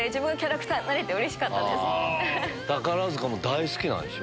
宝塚も大好きなんでしょ？